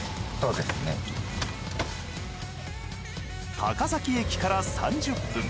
高崎駅から３０分。